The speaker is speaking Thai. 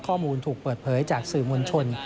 ข้อมูลถูกเปิดเผยจากสื่อมวลชน